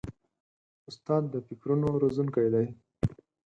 استاد د فکرونو روزونکی دی.